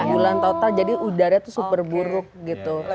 bulan total jadi udara tuh super buruk gitu